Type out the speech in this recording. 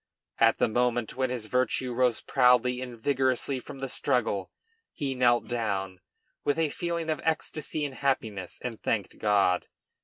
At the moment when his virtue rose proudly and vigorously from the struggle, he knelt down, with a feeling of ecstasy and happiness, and thanked God.